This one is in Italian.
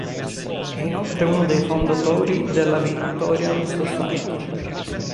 È inoltre uno dei fondatori della Victorian Society.